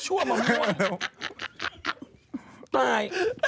ไอ้บ้า